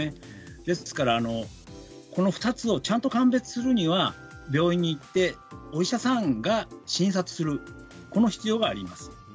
ですからこの２つをちゃんと判別するには病院に行ってお医者さんが診察するこの必要があります。